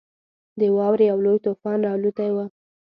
د واورې یو لوی طوفان راالوتی وو.